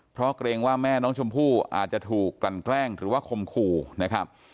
เพราะเกรงว่าแม่น้องชมพู่อาจจะถูกกลั่นแกล้งหรือว่าคมคู่นะครับ